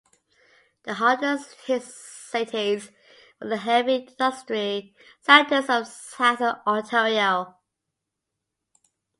The hardest-hit cities were the heavy industry centers of Southern Ontario.